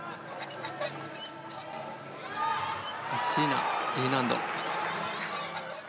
カッシーナ、Ｇ難度。